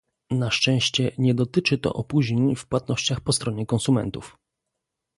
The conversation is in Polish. Na szczęście nie dotyczy to opóźnień w płatnościach po stronie konsumentów